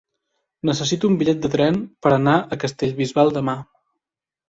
Necessito un bitllet de tren per anar a Castellbisbal demà.